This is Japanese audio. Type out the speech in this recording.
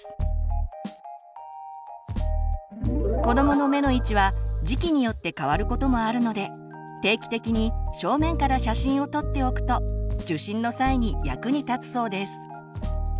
子どもの目の位置は時期によって変わることもあるので定期的に正面から写真を撮っておくと受診の際に役に立つそうです。